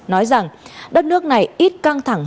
nói rằng đất nước này ít căng thẳng hơn